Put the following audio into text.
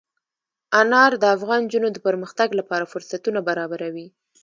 انار د افغان نجونو د پرمختګ لپاره فرصتونه برابروي.